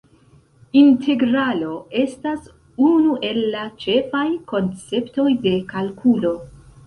Integralo estas unu el la ĉefaj konceptoj de kalkulo.